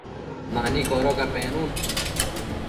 mani codoca penun